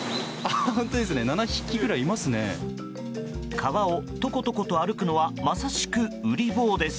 川をトコトコと歩くのはまさしく、うり坊です。